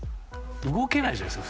動けないじゃないですか。